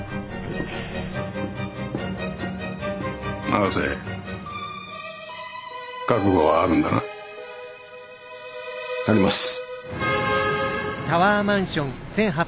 永瀬覚悟はあるんだな。あります。